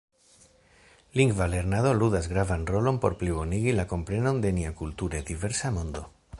Lingva lernado ludas gravan rolon por plibonigi la komprenon de nia kulture diversa mondo.